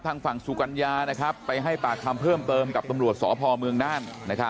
ทางฝั่งสุกัญญาไปให้ปากคำเพิ่มเติมกับตำรวจสพเมืองน่าน